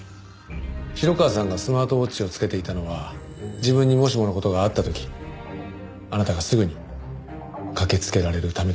城川さんがスマートウォッチをつけていたのは自分にもしもの事があった時あなたがすぐに駆けつけられるためですよね？